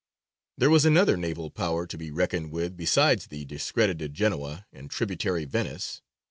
There was another naval power to be reckoned with besides discredited Genoa and tributary Venice.